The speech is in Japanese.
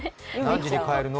何時に帰るの？